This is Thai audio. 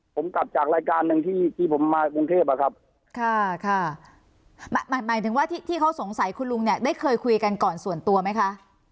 ผมกลับจากรายการหนึ่งที่ที่ผมมากรุงเทพอ่ะครับค่ะหมายถึงว่าที่ที่เขาสงสัยคุณลุงเนี่ยได้เคยคุยกันก่อนส่วนตัวไหมคะ